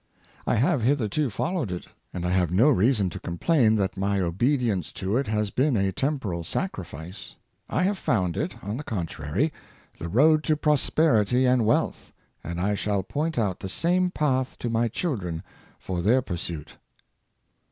I have hitherto followed it, and I have no reason to complain that my obedience to it has been a temporal sacrifice. I have found it, on the contrary, the road to prosperity and wealth, and I shall point out the same path to my children for their pur suit."